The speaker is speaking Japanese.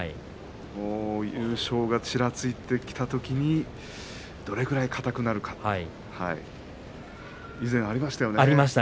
優勝がちらついてきたときにどれくらい硬くなるか以前ありましたよね